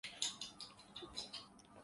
سؤر میں ایک سو پینتیس خامیاں نکال لیں